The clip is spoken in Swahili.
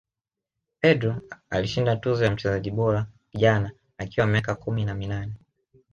pedro alishinda tuzo ya mchezaji bora kijana akiwa miaka kumi na minane